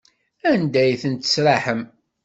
Anda ay tent-tesraḥem?